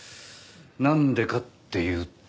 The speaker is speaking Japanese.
なんでかっていうと。